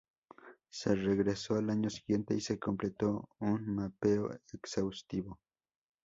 Se regresó al año siguiente y se completó un mapeo exhaustivo.